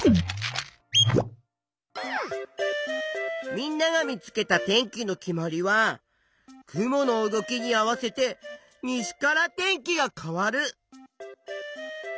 みんなが見つけた天気の決まりは雲の動きに合わせて西から天気が変わる。